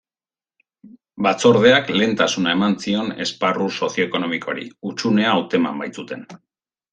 Batzordeak lehentasuna eman zion esparru sozio-ekonomikoari, hutsunea hauteman baitzuten.